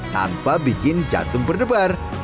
tanpa bikin jantung berdebar